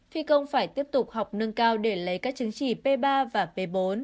phi công phải tiếp tục học nâng cao để lấy các chứng chỉ p ba và p bốn